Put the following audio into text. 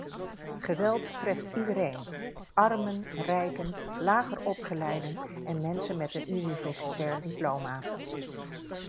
Geweld treft iedereen: armen, rijken, lager opgeleiden en mensen met een universitair diploma.